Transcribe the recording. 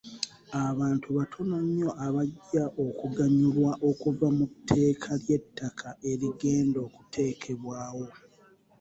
Abantu batono nnyo abajja okuganyulwa okuva mu tteeka ly'etakka erigenda okuteekebwawo.